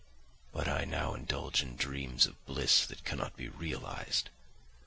But I now indulge in dreams of bliss that cannot be realised.